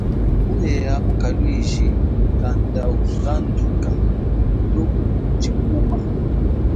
Myea a kalwiji kakadhuka ndo kuchikuma.